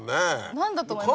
何だと思いますか？